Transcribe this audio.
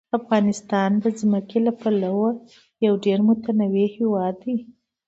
افغانستان د ځمکه له پلوه یو ډېر متنوع هېواد دی.